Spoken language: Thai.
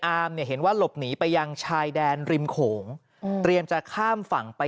อามเนี่ยเห็นว่าหลบหนีไปยังชายแดนริมโขงเตรียมจะข้ามฝั่งไป